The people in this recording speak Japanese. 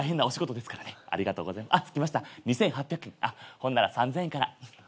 ほんなら３，０００円から。